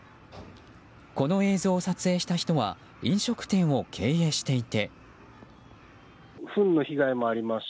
この映像を撮影した人は飲食店を経営していて。